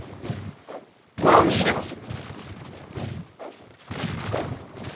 ご覧にいれまする。